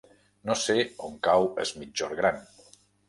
No sé on cau Es Migjorn Gran.